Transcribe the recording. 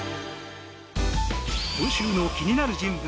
今週の気になる人物